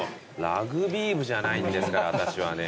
ラグビー部じゃないんですから私はね。